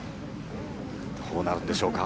どうなるんでしょうか。